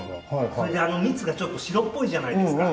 それで蜜がちょっと白っぽいじゃないですか。